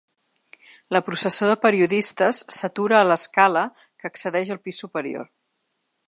La processó de periodistes s’atura a l’escala que accedeix al pis superior.